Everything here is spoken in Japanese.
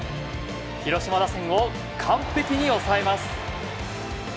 広島打線を完璧に抑えます。